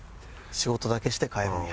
仕事だけして帰るんや。